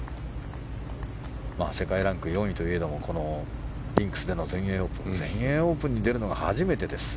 世界ランク４位といえどもこのリンクスでの全英オープンに出るのは初めてです。